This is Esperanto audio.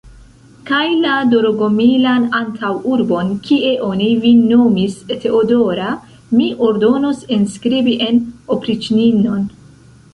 Kaj la Dorogomilan antaŭurbon, kie oni vin nomis Teodora, mi ordonos enskribi en opriĉninon!